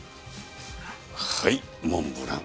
はいモンブラン。